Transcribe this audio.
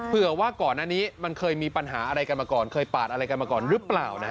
ว่าก่อนอันนี้มันเคยมีปัญหาอะไรกันมาก่อนเคยปาดอะไรกันมาก่อนหรือเปล่านะ